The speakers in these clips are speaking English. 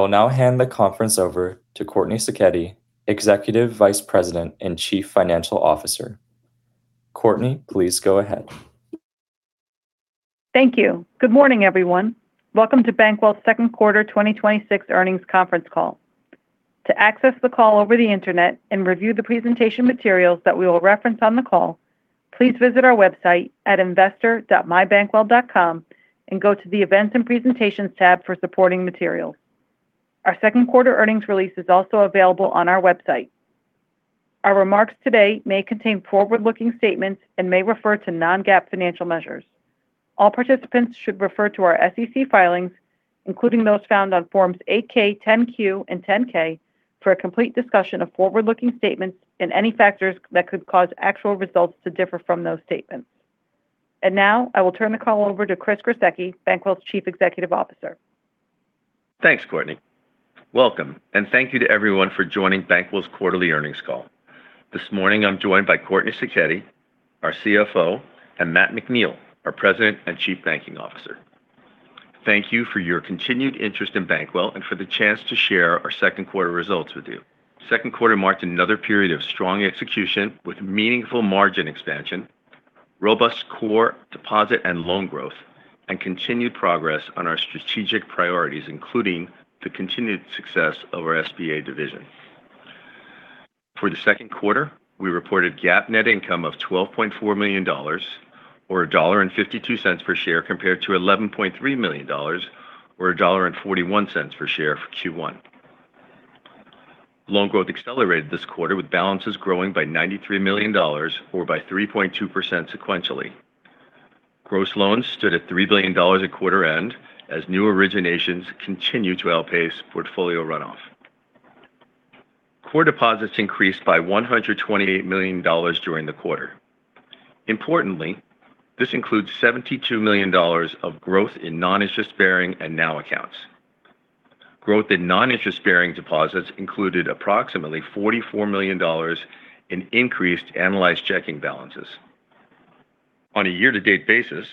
I'll now hand the conference over to Courtney Sacchetti, Executive Vice President and Chief Financial Officer. Courtney, please go ahead. Thank you. Good morning, everyone. Welcome to Bankwell's second quarter 2026 earnings conference call. To access the call over the internet and review the presentation materials that we will reference on the call, please visit our website at investor.mybankwell.com and go to the Events and Presentations tab for supporting materials. Our second quarter earnings release is also available on our website. Our remarks today may contain forward-looking statements and may refer to non-GAAP financial measures. All participants should refer to our SEC filings, including those found on Forms 8-K, 10-Q, and 10-K, for a complete discussion of forward-looking statements and any factors that could cause actual results to differ from those statements. Now I will turn the call over to Chris Gruseke, Bankwell's Chief Executive Officer. Thanks, Courtney. Welcome, and thank you to everyone for joining Bankwell's quarterly earnings call. This morning, I'm joined by Courtney Sacchetti, our CFO, and Matt McNeill, our President and Chief Banking Officer. Thank you for your continued interest in Bankwell and for the chance to share our second quarter results with you. Second quarter marked another period of strong execution with meaningful margin expansion, robust core deposit and loan growth, and continued progress on our strategic priorities, including the continued success of our SBA division. For the second quarter, we reported GAAP net income of $12.4 million, or $1.52 per share, compared to $11.3 million, or $1.41 per share for Q1. Loan growth accelerated this quarter with balances growing by $93 million or by 3.2% sequentially. Gross loans stood at $3 billion at quarter end as new originations continue to outpace portfolio runoff. Core deposits increased by $128 million during the quarter. Importantly, this includes $72 million of growth in non-interest bearing and NOW accounts. Growth in non-interest-bearing deposits included approximately $44 million in increased analyzed checking balances. On a year-to-date basis,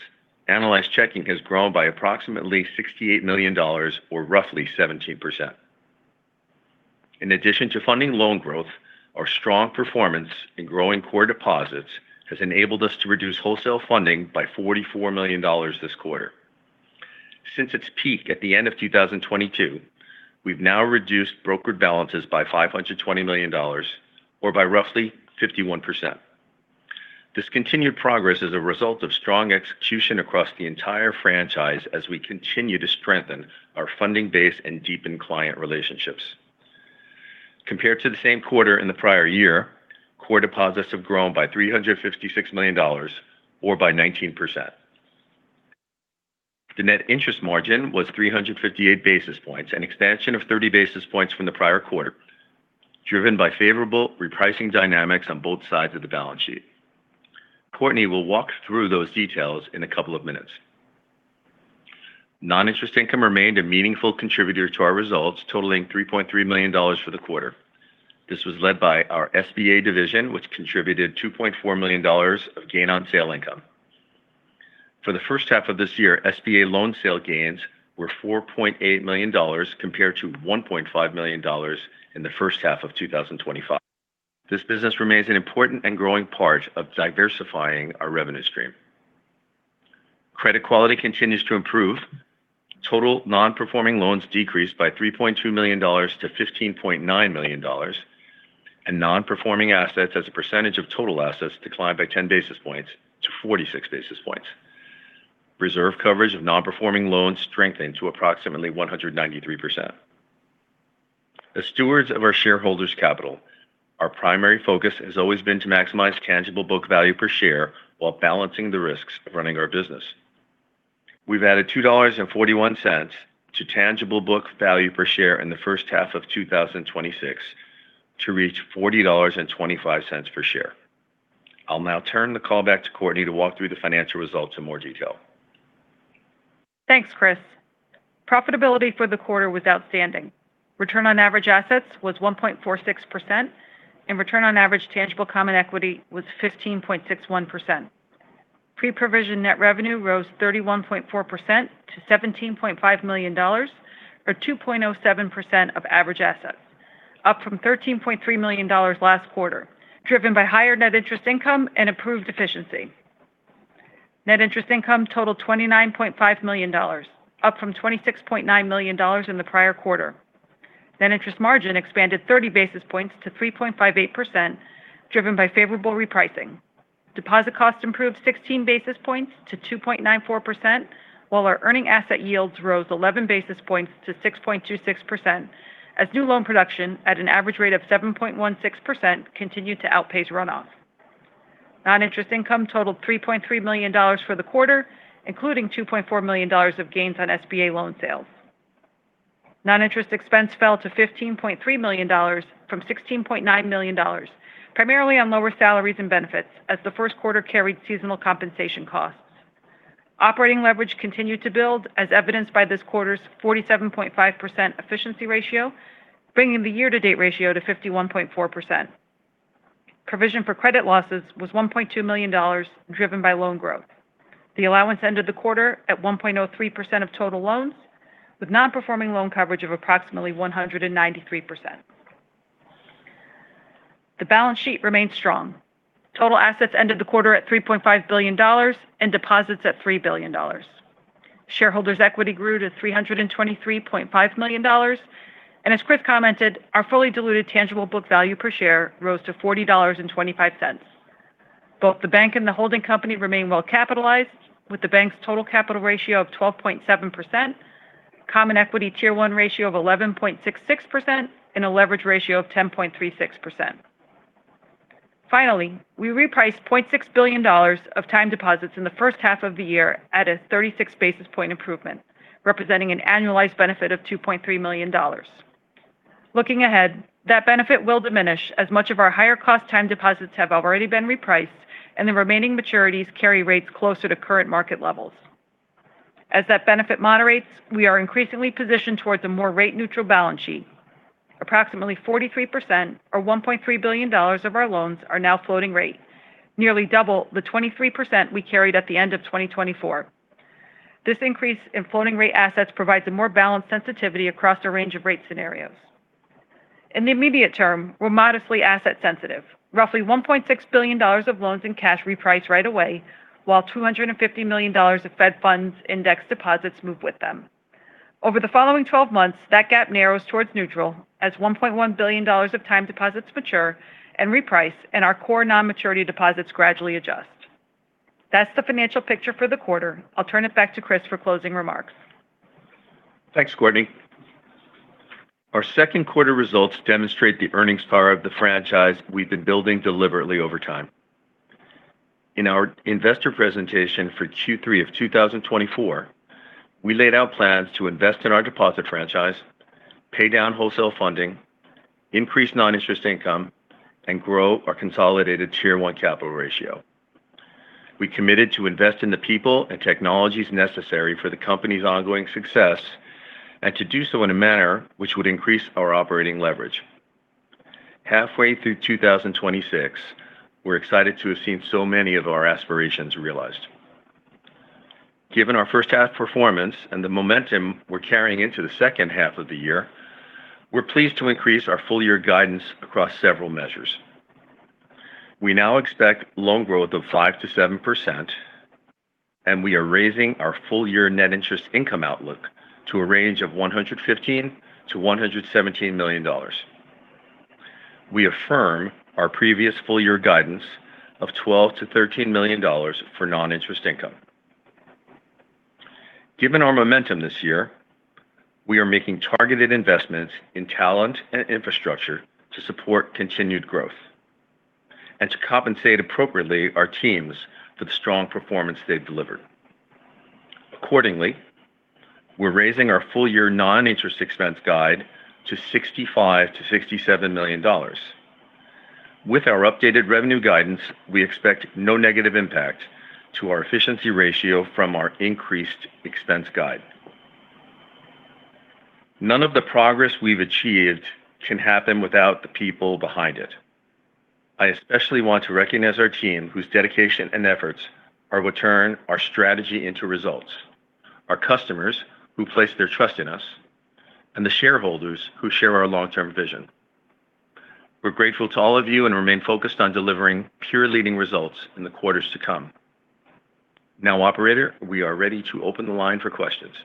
analyzed checking has grown by approximately $68 million or roughly 17%. In addition to funding loan growth, our strong performance in growing core deposits has enabled us to reduce wholesale funding by $44 million this quarter. Since its peak at the end of 2022, we've now reduced brokered balances by $520 million or by roughly 51%. This continued progress is a result of strong execution across the entire franchise as we continue to strengthen our funding base and deepen client relationships. Compared to the same quarter in the prior year, core deposits have grown by $356 million or by 19%. The net interest margin was 358 basis points, an expansion of 30 basis points from the prior quarter, driven by favorable repricing dynamics on both sides of the balance sheet. Courtney will walk through those details in a couple of minutes. Non-interest income remained a meaningful contributor to our results, totaling $3.3 million for the quarter. This was led by our SBA division, which contributed $2.4 million of gain on sale income. For the first half of this year, SBA loan sale gains were $4.8 million compared to $1.5 million in the first half of 2025. This business remains an important and growing part of diversifying our revenue stream. Credit quality continues to improve. Total non-performing loans decreased by $3.2 million-$15.9 million, and non-performing assets as a percentage of total assets declined by 10 basis points to 46 basis points. Reserve coverage of non-performing loans strengthened to approximately 193%. As stewards of our shareholders' capital, our primary focus has always been to maximize tangible book value per share while balancing the risks of running our business. We've added $2.41 to tangible book value per share in the first half of 2026 to reach $40.25 per share. I'll now turn the call back to Courtney to walk through the financial results in more detail. Thanks, Chris. Profitability for the quarter was outstanding. Return on average assets was 1.46%, and return on average tangible common equity was 15.61%. Pre-provision net revenue rose 31.4% to $17.5 million or 2.07% of average assets, up from $13.3 million last quarter, driven by higher net interest income and improved efficiency. Net interest income totaled $29.5 million, up from $26.9 million in the prior quarter. Net interest margin expanded 30 basis points to 3.58%, driven by favorable repricing. Deposit cost improved 16 basis points to 2.94%, while our earning asset yields rose 11 basis points to 6.26% as new loan production at an average rate of 7.16% continued to outpace runoff. Non-interest income totaled $3.3 million for the quarter, including $2.4 million of gains on SBA loan sales. Non-interest expense fell to $15.3 million from $16.9 million, primarily on lower salaries and benefits as the first quarter carried seasonal compensation costs. Operating leverage continued to build as evidenced by this quarter's 47.5% efficiency ratio, bringing the year-to-date ratio to 51.4%. Provision for credit losses was $1.2 million, driven by loan growth. The allowance ended the quarter at 1.03% of total loans, with non-performing loan coverage of approximately 193%. The balance sheet remains strong. Total assets ended the quarter at $3.5 billion, and deposits at $3 billion. Shareholders' equity grew to $323.5 million. As Chris commented, our fully diluted tangible book value per share rose to $40.25. Both the bank and the holding company remain well capitalized, with the bank's total capital ratio of 12.7%, common equity Tier 1 ratio of 11.66%, and a leverage ratio of 10.36%. Finally, we repriced $0.6 billion of time deposits in the first half of the year at a 36 basis point improvement, representing an annualized benefit of $2.3 million. Looking ahead, that benefit will diminish, as much of our higher-cost time deposits have already been repriced, and the remaining maturities carry rates closer to current market levels. As that benefit moderates, we are increasingly positioned towards a more rate-neutral balance sheet. Approximately 43%, or $1.3 billion of our loans are now floating rate, nearly double the 23% we carried at the end of 2024. This increase in floating rate assets provides a more balanced sensitivity across a range of rate scenarios. In the immediate term, we're modestly asset sensitive. Roughly $1.6 billion of loans and cash reprice right away, while $250 million of Fed funds index deposits move with them. Over the following 12 months, that gap narrows towards neutral as $1.1 billion of time deposits mature and reprice, and our core non-maturity deposits gradually adjust. That's the financial picture for the quarter. I'll turn it back to Chris for closing remarks. Thanks, Courtney. Our second quarter results demonstrate the earnings power of the franchise we've been building deliberately over time. In our investor presentation for Q3 of 2024, we laid out plans to invest in our deposit franchise, pay down wholesale funding, increase non-interest income, and grow our consolidated Tier 1 capital ratio. We committed to invest in the people and technologies necessary for the company's ongoing success, and to do so in a manner which would increase our operating leverage. Halfway through 2026, we're excited to have seen so many of our aspirations realized. Given our first half performance and the momentum we're carrying into the second half of the year, we're pleased to increase our full year guidance across several measures. We now expect loan growth of 5%-7%, and we are raising our full year net interest income outlook to a range of $115 million-$117 million. We affirm our previous full year guidance of $12 million-$13 million for non-interest income. Given our momentum this year, we are making targeted investments in talent and infrastructure to support continued growth and to compensate appropriately our teams for the strong performance they've delivered. Accordingly, we're raising our full year non-interest expense guide to $65 million-$67 million. With our updated revenue guidance, we expect no negative impact to our efficiency ratio from our increased expense guide. None of the progress we've achieved can happen without the people behind it. I especially want to recognize our team, whose dedication and efforts are what turn our strategy into results, our customers who place their trust in us, and the shareholders who share our long-term vision. We're grateful to all of you and remain focused on delivering pure leading results in the quarters to come. Now, operator, we are ready to open the line for questions.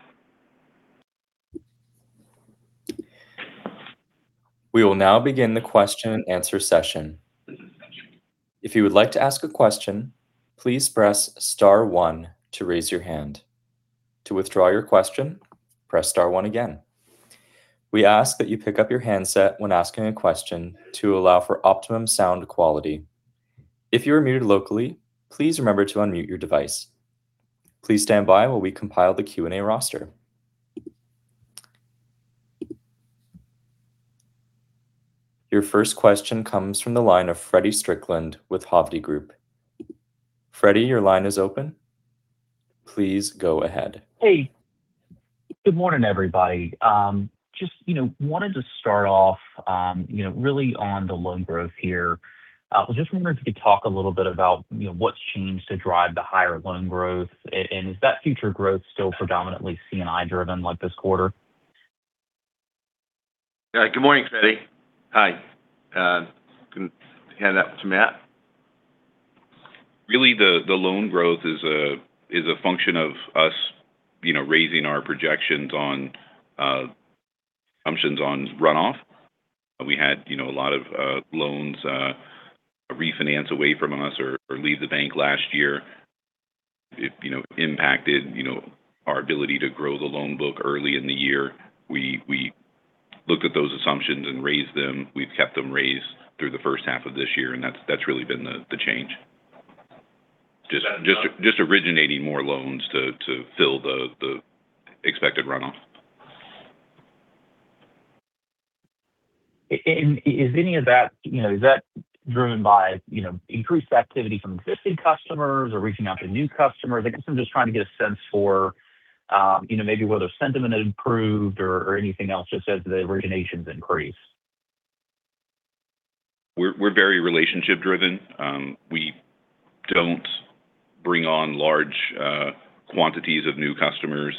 We will now begin the question-and-answer session. If you would like to ask a question, please press star one to raise your hand. To withdraw your question, press star one again. We ask that you pick up your handset when asking a question to allow for optimum sound quality. If you are muted locally, please remember to unmute your device. Please stand by while we compile the Q&A roster. Your first question comes from the line of Feddie Strickland with Hovde Group. Feddie, your line is open. Please go ahead. Hey. Good morning, everybody. Just wanted to start off really on the loan growth here. I was just wondering if you could talk a little bit about what's changed to drive the higher loan growth. Is that future growth still predominantly C&I driven like this quarter? Yeah. Good morning, Feddie. Hi. Going to hand that to Matt. Really, the loan growth is a function of us raising our projections on assumptions on runoff. We had a lot of loans refinance away from us or leave the bank last year. It impacted our ability to grow the loan book early in the year. We looked at those assumptions and raised them. We've kept them raised through the first half of this year, and that's really been the change. Just originating more loans to fill the expected runoff. Is that driven by increased activity from existing customers or reaching out to new customers? I guess I'm just trying to get a sense for Maybe whether sentiment improved or anything else just as the originations increase? We're very relationship-driven. We don't bring on large quantities of new customers.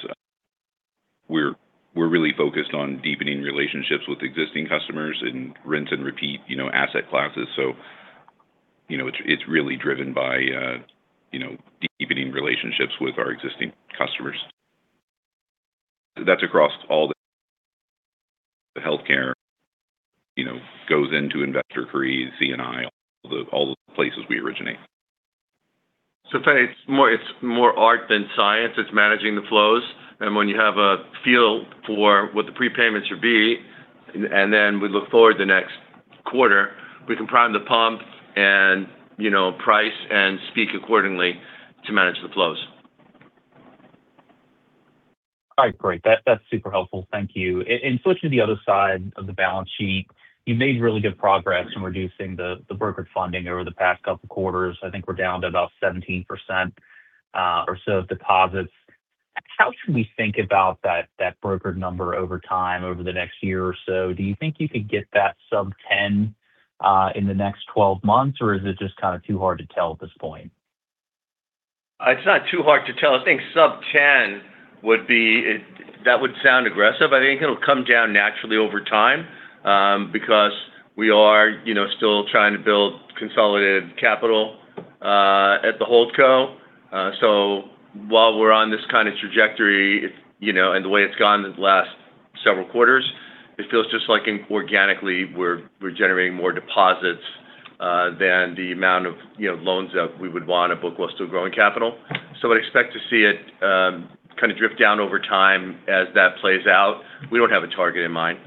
We're really focused on deepening relationships with existing customers and rinse and repeat asset classes. It's really driven by deepening relationships with our existing customers. That's across all the healthcare, goes into investor CRE, C&I, all the places we originate. Feddie, it's more art than science. It's managing the flows. When you have a feel for what the prepayment should be, then we look forward the next quarter, we can prime the pump and price and speak accordingly to manage the flows. All right, great. That's super helpful. Thank you. In switching to the other side of the balance sheet, you've made really good progress in reducing the brokered funding over the past couple quarters. I think we're down to about 17% or so of deposits. How should we think about that brokered number over time over the next year or so? Do you think you could get that sub 10 in the next 12 months? Is it just kind of too hard to tell at this point? It's not too hard to tell. I think sub 10 would sound aggressive. I think it'll come down naturally over time because we are still trying to build consolidated capital at the hold co. While we're on this kind of trajectory and the way it's gone these last several quarters, it feels just like organically we're generating more deposits than the amount of loans that we would want to book while still growing capital. I'd expect to see it kind of drift down over time as that plays out. We don't have a target in mind.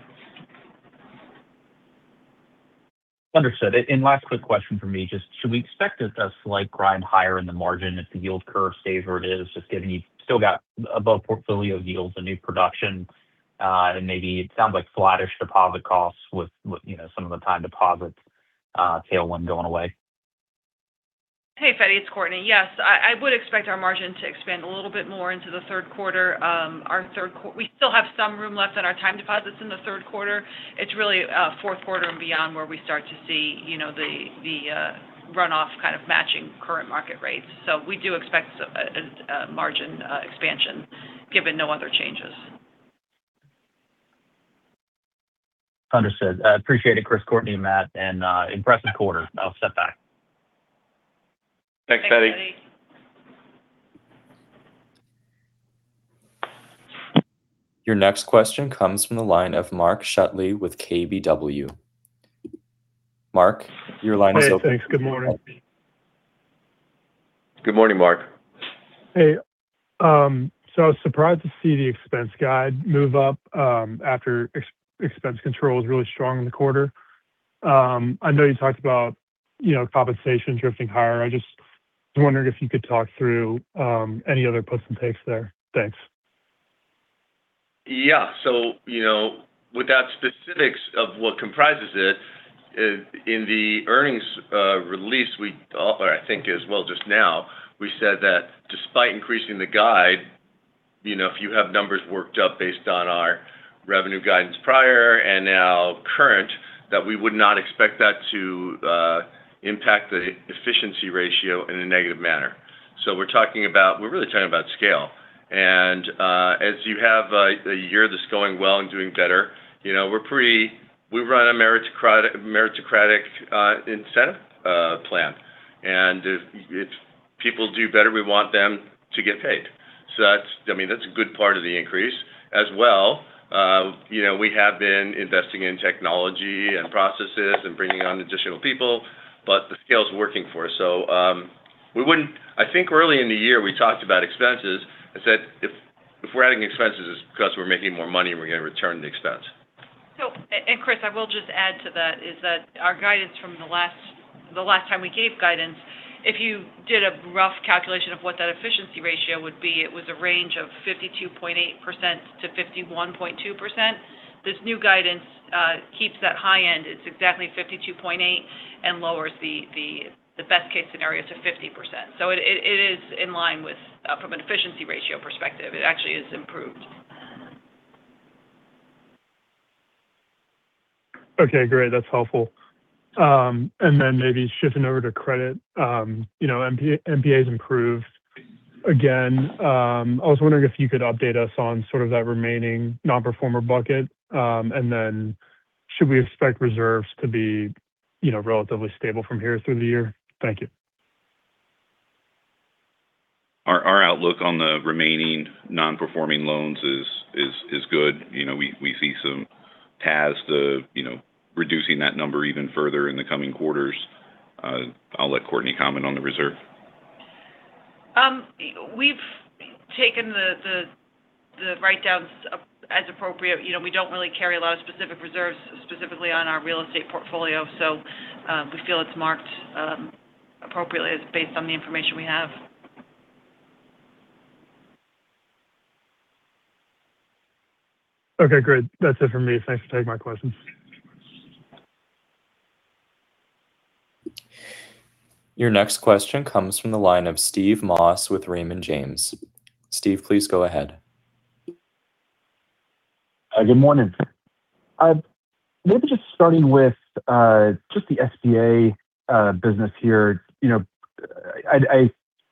Understood. Last quick question from me, just should we expect a slight grind higher in the margin if the yield curve stays where it is, just given you've still got above portfolio yields and new production and maybe it sounds like flattish deposit costs with some of the time deposits tailwind going away? Hey, Feddie, it's Courtney. Yes, I would expect our margin to expand a little bit more into the third quarter. We still have some room left in our time deposits in the third quarter. It's really fourth quarter and beyond where we start to see the runoff kind of matching current market rates. We do expect a margin expansion given no other changes. Understood. I appreciate it, Chris, Courtney, and Matt. Impressive quarter. I'll step back. Thanks, Feddie. Thanks, Feddie. Your next question comes from the line of Mark Shutley with KBW. Mark, your line is open. Hey, thanks. Good morning. Good morning, Mark. Hey. I was surprised to see the expense guide move up after expense control was really strong in the quarter. I know you talked about compensation drifting higher. I just was wondering if you could talk through any other puts and takes there. Thanks. Yeah. Without specifics of what comprises it, in the earnings release we offer, I think as well just now, we said that despite increasing the guide, if you have numbers worked up based on our revenue guidance prior and now current, that we would not expect that to impact the efficiency ratio in a negative manner. We're really talking about scale. As you have a year that's going well and doing better, we run a meritocratic incentive plan. If people do better, we want them to get paid. That's a good part of the increase as well. We have been investing in technology and processes and bringing on additional people, but the scale's working for us. I think early in the year, we talked about expenses and said if we're adding expenses, it's because we're making more money and we're going to return the expense. Chris, I will just add to that is that our guidance from the last time we gave guidance, if you did a rough calculation of what that efficiency ratio would be, it was a range of 52.8%-51.2%. This new guidance keeps that high end. It's exactly 52.8 and lowers the best-case scenario to 50%. It is in line with, from an efficiency ratio perspective, it actually is improved. Okay, great. That's helpful. Then maybe shifting over to credit. NPA has improved again. I was wondering if you could update us on sort of that remaining non-performer bucket then should we expect reserves to be relatively stable from here through the year? Thank you. Our outlook on the remaining non-performing loans is good. We see some paths to reducing that number even further in the coming quarters. I'll let Courtney Sacchetti comment on the reserve. We've taken the write-downs as appropriate. We don't really carry a lot of specific reserves specifically on our real estate portfolio. We feel it's marked appropriately based on the information we have. Okay, great. That's it from me. Thanks for taking my questions. Your next question comes from the line of Steve Moss with Raymond James. Steve, please go ahead. Good morning. Maybe just starting with just the SBA business here. You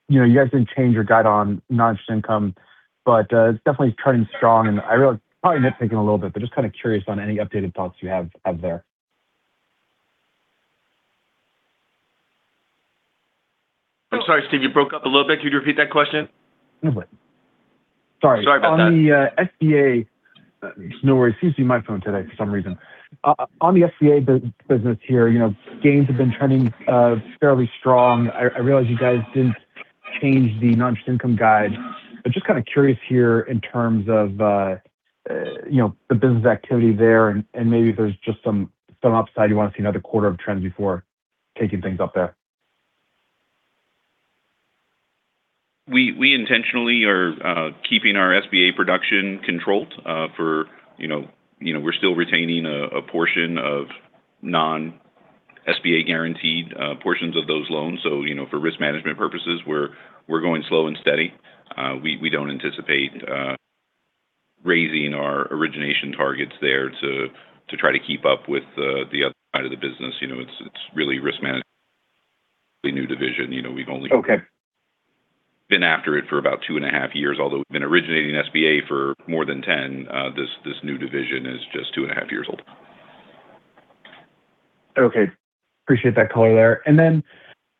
guys didn't change your guide on non-interest income, but it's definitely trending strong, and I realize it's probably nitpicking a little bit, but just kind of curious on any updated thoughts you have there. I'm sorry, Steve, you broke up a little bit. Could you repeat that question? Sorry. Sorry about that. No worries. It seems to be my phone today for some reason. On the SBA business here, gains have been trending fairly strong. I realize you guys didn't change the non-interest income guide. I'm just kind of curious here in terms of the business activity there and maybe if there's just some upside you want to see another quarter of trends before taking things up there. We intentionally are keeping our SBA production controlled. We're still retaining a portion of non-SBA-guaranteed portions of those loans. For risk management purposes, we're going slow and steady. We don't anticipate raising our origination targets there to try to keep up with the other side of the business. It's really risk management, a new division. Okay. Been after it for about two and a half years, although we've been originating SBA for more than 10. This new division is just two and a half years old. Okay. Appreciate that color there.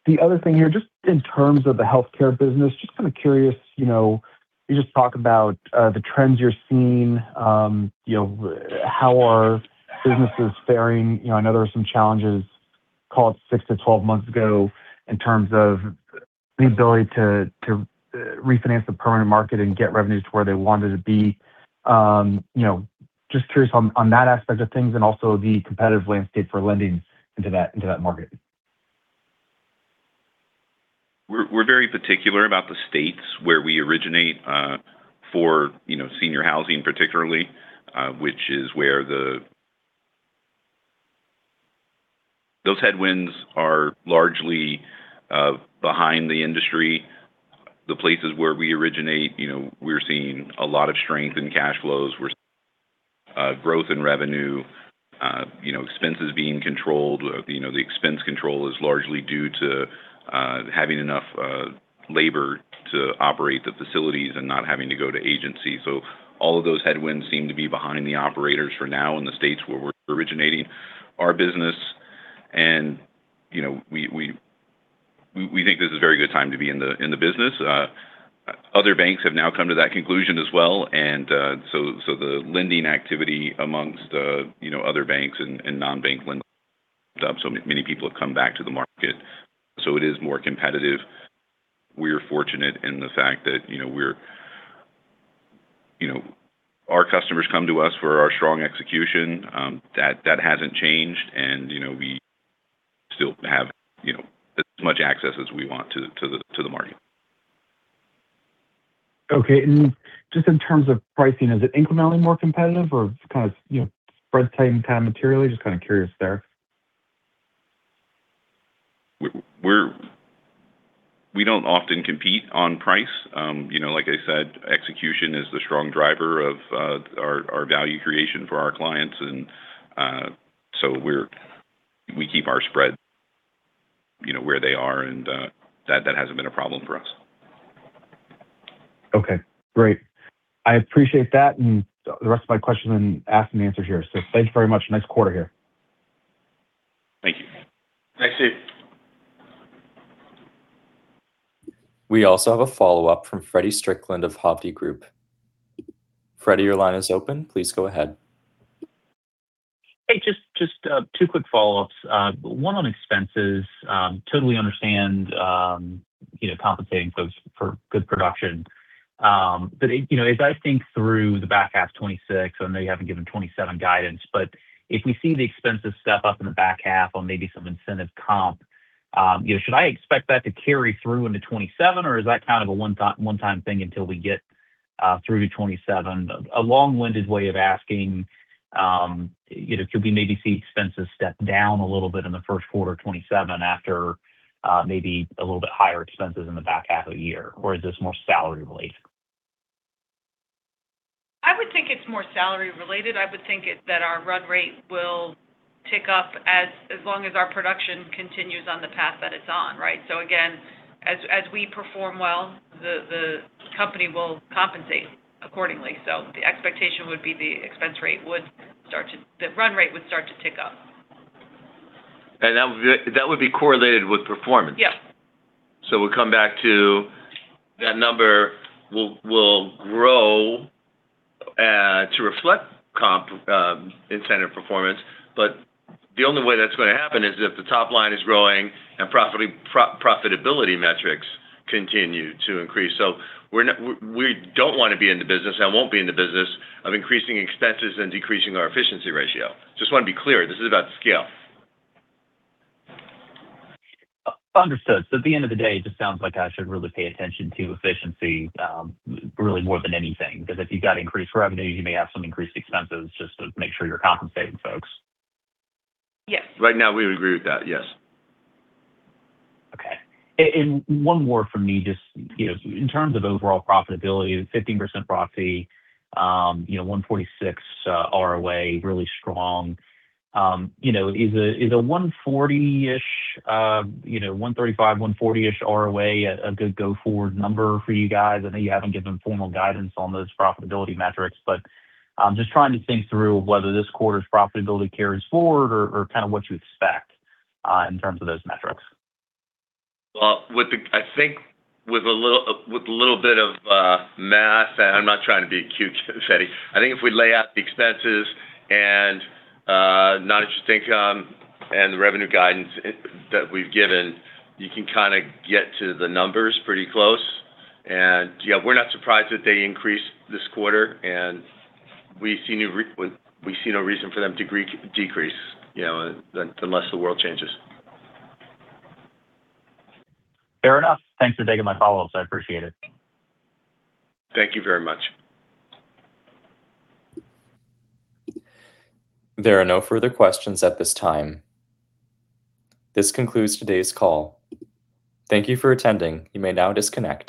The other thing here, just in terms of the healthcare business, just kind of curious, can you just talk about the trends you're seeing? How are businesses faring? I know there were some challenges called six to 12 months ago in terms of the ability to refinance the permanent market and get revenues to where they wanted to be. Just curious on that aspect of things and also the competitive landscape for lending into that market. We're very particular about the states where we originate for senior housing particularly, which is where Those headwinds are largely behind the industry. The places where we originate, we're seeing a lot of strength in cash flows. We're seeing growth in revenue, expenses being controlled. The expense control is largely due to having enough labor to operate the facilities and not having to go to agency. All of those headwinds seem to be behind the operators for now in the states where we're originating our business. We think this is a very good time to be in the business. Other banks have now come to that conclusion as well, the lending activity amongst other banks and non-bank lenders is up. Many people have come back to the market. It is more competitive. We are fortunate in the fact that our customers come to us for our strong execution. That hasn't changed, we still have as much access as we want to the market. Okay. Just in terms of pricing, is it incrementally more competitive or spread tightening materially? Just kind of curious there. We don't often compete on price. Like I said, execution is the strong driver of our value creation for our clients. We keep our spread where they are, and that hasn't been a problem for us. Okay. Great. I appreciate that. The rest of my questions have been asked and answered here. Thanks very much. Nice quarter here. Thank you. Thanks, Steve. We also have a follow-up from Feddie Strickland of Hovde Group. Feddie, your line is open. Please go ahead. Hey, just two quick follow-ups. One on expenses. Totally understand compensating folks for good production. As I think through the back half of 2026, I know you haven't given 2027 guidance, but if we see the expenses step up in the back half on maybe some incentive comp, should I expect that to carry through into 2027, or is that kind of a one-time thing until we get through 2027? A long-winded way of asking could we maybe see expenses step down a little bit in the first quarter of 2027 after maybe a little bit higher expenses in the back half of the year? Is this more salary related? I would think it's more salary related. I would think that our run rate will tick up as long as our production continues on the path that it's on. Right? Again, as we perform well, the company will compensate accordingly. The expectation would be the run rate would start to tick up. That would be correlated with performance. Yeah. We'll come back to that number will grow to reflect comp incentive performance. The only way that's going to happen is if the top line is growing and profitability metrics continue to increase. We don't want to be in the business and won't be in the business of increasing expenses and decreasing our efficiency ratio. Just want to be clear, this is about scale. Understood. At the end of the day, it just sounds like I should really pay attention to efficiency really more than anything. Because if you've got increased revenue, you may have some increased expenses just to make sure you're compensating folks. Yes. Right now, we agree with that. Yes. Okay. One more from me. Just in terms of overall profitability, 15% ROATCE, 146 ROA, really strong. Is a 140-ish, 135, 140-ish ROA a good go-forward number for you guys? I know you haven't given formal guidance on those profitability metrics, but I'm just trying to think through whether this quarter's profitability carries forward or kind of what you expect in terms of those metrics. Well, I think with a little bit of math, and I'm not trying to be cute, Feddie. I think if we lay out the expenses and non-interest income and the revenue guidance that we've given, you can kind of get to the numbers pretty close. Yeah, we're not surprised that they increased this quarter, and we see no reason for them to decrease, unless the world changes. Fair enough. Thanks for taking my follow-ups. I appreciate it. Thank you very much. There are no further questions at this time. This concludes today's call. Thank you for attending. You may now disconnect.